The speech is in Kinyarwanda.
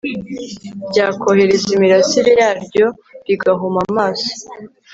ryakohereza imirasire yaryo, rigahuma amaso